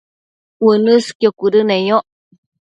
uënësqio cuëdëneyoc